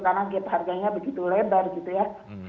karena gap harganya begitu lebar gitu ya